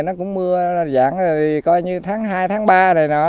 nó cũng mưa dạng rồi coi như tháng hai tháng ba này nọ